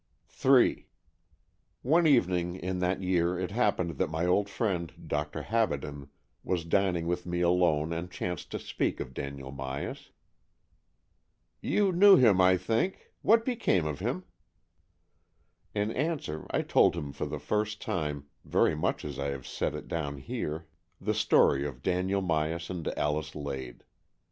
AN EXCHANGE OF SOULS 225 III One evening in that year it happened that my old friend, Dr. Habaden, was dining with me alone and chanced to speak of Daniel Myas. "You knew him, I think. What became of him.^'' In answer I told him for the first time, very much as I have set it down here, the Story of Daniel Myas and Alice Lade.